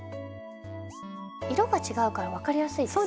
色が違うから分かりやすいですね。